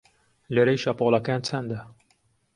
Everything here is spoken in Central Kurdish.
لەرەی شەپۆڵەکان چەندە؟